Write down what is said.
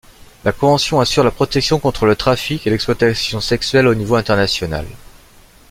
La convention assure la protection contre le trafic et l'exploitation sexuelle au niveau international.